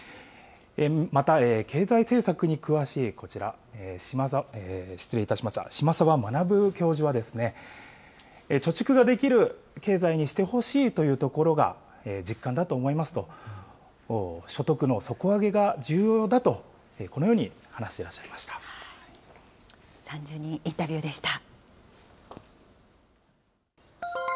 また経済政策に詳しいこちら、島澤諭教授は、貯蓄ができる経済にしてほしいというところが実感だと思いますと、所得の底上げが重要だと、このように話していら３０人インタビューでした。